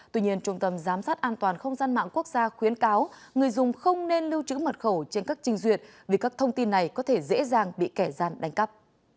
tuy nhiên trung tâm giám sát an toàn không gian mạng quốc gia khuyến cáo người dùng không nên lưu trữ mật khẩu trên các trình duyệt vì các thông tin này có thể dễ dàng bị kẻ gian đánh cắp